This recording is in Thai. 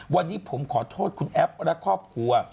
วันนี้ผมขอโทษคุณแอฟและครอบครัว